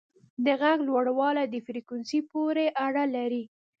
د غږ لوړوالی د فریکونسي پورې اړه لري.